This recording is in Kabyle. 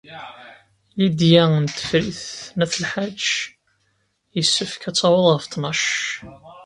Lidya n Tifrit n At Lḥaǧ yessefk ad taweḍ ɣef ttnac.